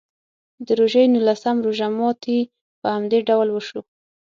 د روژې نولسم روژه ماتي په همدې ډول وشو.